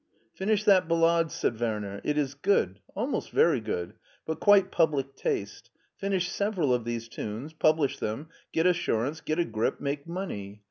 " Finish that ballade," said Werner. " It is good, almost very good, but quite public taste. Finish sev eral of these tunes, publish them, get assurance, get a grip, make money.